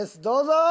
どうぞ！